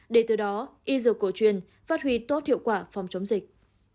để từ đó y dược cổ truyền phát huy tốt hiệu quả phòng chống dịch